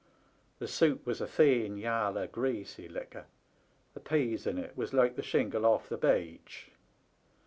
The soup was a thin yaller, greasy liquor. The peas in it was like the shingle off the beach.